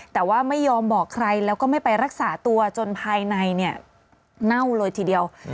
แต่ว่าไม่ยอมบอกใครแล้วก็ไม่ไปรักษาตัวจนภายในเนี่ยเน่าเลยทีเดียว